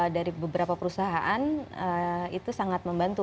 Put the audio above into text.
dari beberapa perusahaan itu sangat membantu